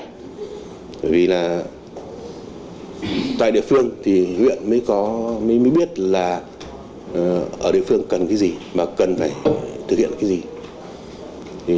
bởi vì là tại địa phương thì huyện mới có biết là ở địa phương cần cái gì mà cần phải thực hiện cái gì